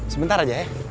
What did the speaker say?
sebentar aja ya